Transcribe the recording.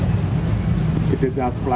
dan menggunakan bantuan yang berbeda